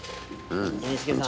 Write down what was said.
ＮＨＫさん。